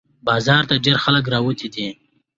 بازار ته ډېر خلق راوتي دي